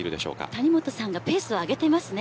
谷本さんがペースを上げています。